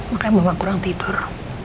makanya mama kurang tidur